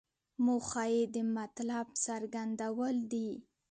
موخه یې د مطلب څرګندول دي.